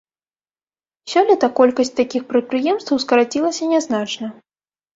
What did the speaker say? Сёлета колькасць такіх прадпрыемстваў скарацілася нязначна.